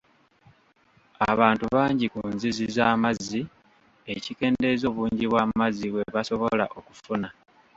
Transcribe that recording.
Abantu bangi ku nzizi z'amazzi ekikendeeza obungi bw'amazzi bwe basobola okufuna.